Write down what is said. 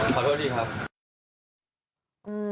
ขอโทษดีครับ